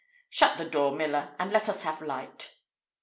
Shut the door, miller, and let us have a light."